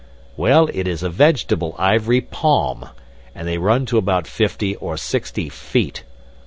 Well, it is a vegetable ivory palm, and they run to about fifty or sixty feet.